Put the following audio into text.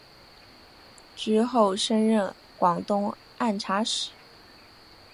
之后升任广东按察使。